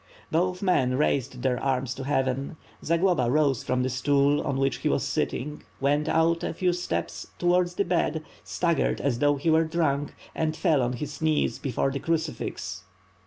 Both men raised their arms to heaven. Zagloba rose from the stool on which he was sitting, went out a few steps towards the bed, staggered as though he were drunk and fell on his knees before the crucifix.